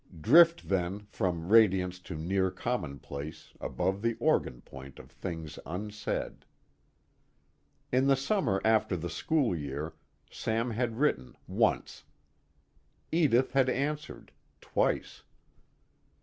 Drift then, from radiance to near commonplace, above the organ point of things unsaid. In the summer after the school year, Sam had written, once; Edith had answered, twice.